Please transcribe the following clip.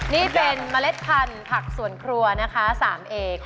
นี่เป็นเมล็ดพันธุ์ผักสวนครัวนะคะ๓เอก